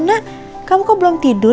nak kamu kok belum tidur